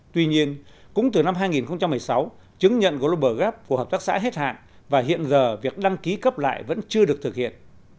tuy nhiên cũng từ năm hai nghìn một mươi sáu chứng nhận global gap của hợp tác xã hết hạn và hiện giờ việc đăng ký cấp lại vẫn chưa được thực hiện